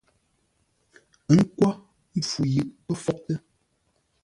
Ə́ nkwô mpfu yʉʼ pə́ fwótə́.